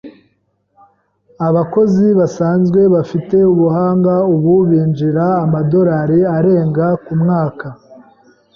Abakozi basanzwe bafite ubuhanga ubu binjiza amadolari arenga ,$ kumwaka.